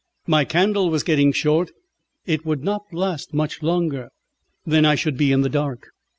My candle was getting short; it would not last much longer, and then I should be in the dark.